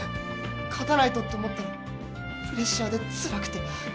「勝たないと」と思ったらプレッシャーでつらくて。